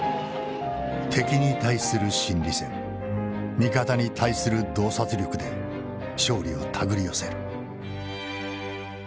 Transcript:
敵に対する心理戦味方に対する洞察力で勝利を手繰り寄せる。